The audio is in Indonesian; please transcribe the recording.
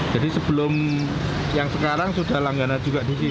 jadi sebelum yang sekarang sudah langganan juga di sini